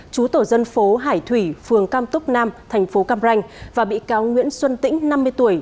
chú tổ dân phố hải thủy phường cam túc nam thành phố cam ranh và bị cáo nguyễn xuân tĩnh năm mươi tuổi